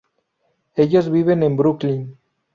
Ellos viven en Brooklyn.